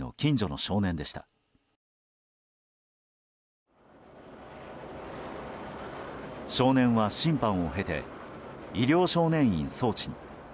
少年は審判を経て医療少年院送致に。